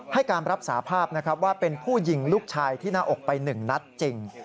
ให้การรับสาภาพนะครับว่าเป็นผู้ยิงลูกชายที่หน้าอกไป๑นัดจริง